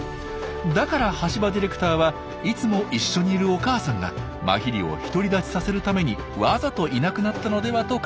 だから橋場ディレクターはいつも一緒にいるお母さんがマヒリを独り立ちさせるためにわざといなくなったのではと考えたんです。